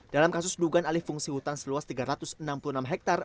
dalam kasus dugaan alih fungsi hutan seluas tiga ratus enam puluh enam hektare